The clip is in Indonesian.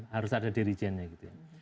harus ada dirijennya gitu ya